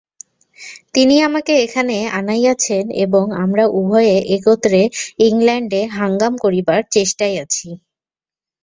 তিনি আমাকে এখানে আনাইয়াছেন এবং আমরা উভয়ে একত্রে ইংলণ্ডে হাঙ্গাম করিবার চেষ্টায় আছি।